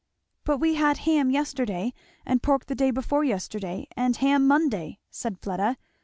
"But we had ham yesterday and pork the day before yesterday and ham Monday," said Fleda.